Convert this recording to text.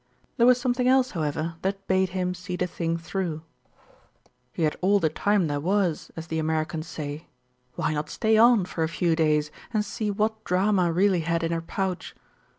There was something else, however, that bade him see the thing through. 76 THE RETURN OF ALFRED He had all the time there was, as the Americans say, why not stay on for a few days and see what Drama really had in her pouch